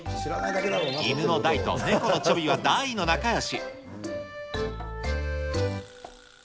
犬のダイとネコのチョビは大の仲よし。